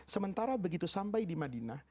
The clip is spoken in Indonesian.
sementara begitu sampai di madinah